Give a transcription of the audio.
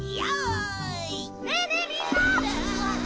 ねえねえみんな！